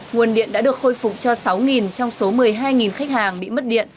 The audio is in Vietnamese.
nguồn điện đã được khôi phục cho sáu trong số một mươi hai khách hàng bị mất điện